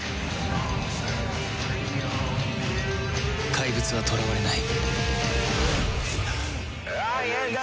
怪物は囚われない